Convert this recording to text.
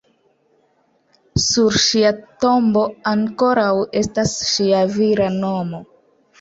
Sur ŝia tombo ankoraŭ estas ŝia vira nomo.